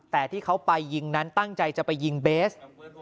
แต่ที่เขาไปยิงนั้นตั้งใจจะไปยิงเบส